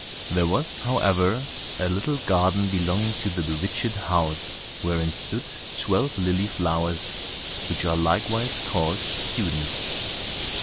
There was, however, a little garden belonging to the bewitched house wherein stood twelve lily flowers, which are likewise called students.